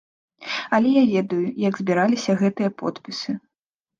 Але я ведаю, як збіраліся гэтыя подпісы.